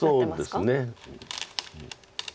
そうですね。